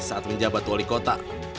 saat menjabat wali kota